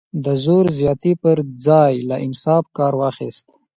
د زور زیاتي پر ځای یې له انصاف کار واخیست.